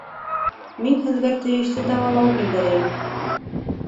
Мин һеҙгә тейешле дауалау билдәләйем